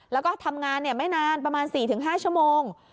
แล้วก็ทำงานไม่นานประมาณ๔๕ชั่วโมง